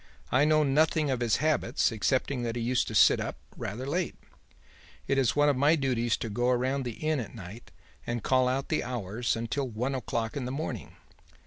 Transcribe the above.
I know nothing of his habits excepting that he used to sit up rather late. It is one of my duties to go round the Inn at night and call out the hours until one o'clock in the morning.